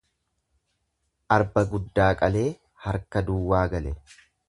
Arba guddaa qalee, harka duwwaa gale.